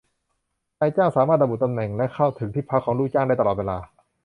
นายจ้างสามารถระบุตำแหน่งและเข้าถึงที่พักของลูกจ้างได้ตลอดเวลา